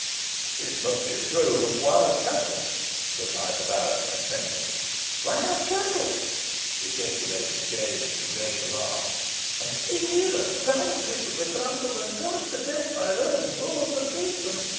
"It must be a drove of wild cattle," replied the baronet, trembling. "Wild cattle!" ejaculated James, in great alarm; "and sae near us. Zounds! we shall be trampled and gored to death by these bulls of Basan.